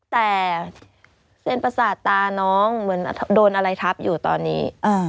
แต่เส้นประสาทตาน้องเหมือนโดนอะไรทับอยู่ตอนนี้